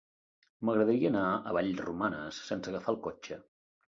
M'agradaria anar a Vallromanes sense agafar el cotxe.